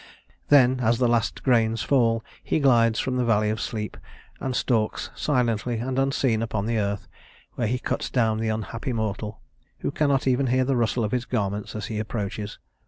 Then, as the last grains fall, he glides from the valley of sleep and stalks silently and unseen upon the earth, where he cuts down the unhappy mortal, who cannot even hear the rustle of his garments as he approaches.